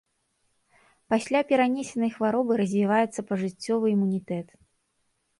Пасля перанесенай хваробы развіваецца пажыццёвы імунітэт.